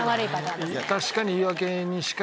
確かに。